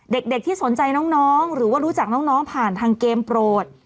เด็กที่สนใจน้องหรือว่ารู้จักน้องผ่านทางเกมโปรด